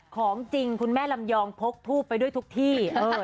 ของจริงคุณแม่ลำยองพกทูบไปด้วยทุกที่